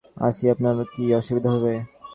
আমি যদি আপনার পেছনে পেছনে আসি আপনার কী অসুবিধা হবে?